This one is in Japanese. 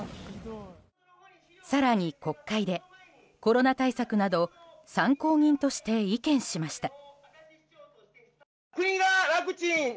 更に国会でコロナ対策など参考人として意見しました。